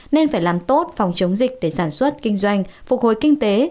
nên phải làm tốt phòng chống dịch để sản xuất kinh doanh phục hồi kinh tế